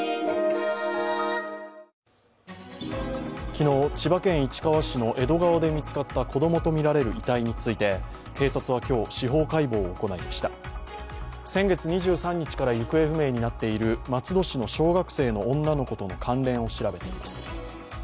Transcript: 昨日、千葉県市川市の江戸川で見つかった子供とみられる遺体について警察は今日、司法解剖を行いました先月２３日から行方不明になっている松戸市の小学生の女の子との関連を調べています。